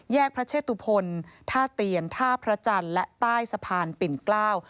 พระเชตุพลท่าเตียนท่าพระจันทร์และใต้สะพานปิ่นเกล้า